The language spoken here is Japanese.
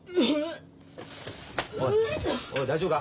おいおい大丈夫か？